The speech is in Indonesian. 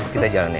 kita jalan nek